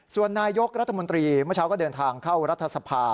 ส่วนนายกรัฐมนตรีเมื่อเช้าก็เดินทางเข้ารัฐสภา